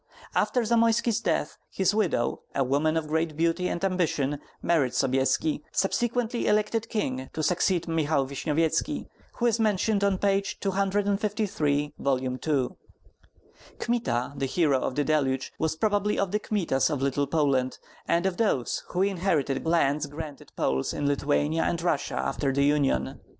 After Zamoyski's death, his widow, a woman of great beauty and ambition, married Sobyeski, subsequently elected king to succeed Michael Vishnyevetski, who is mentioned on page 253, Vol. II. Kmita, the hero of THE DELUGE, was probably of the Kmitas of Little Poland, and of those who inherited lands granted Poles in Lithuania and Russia after the union.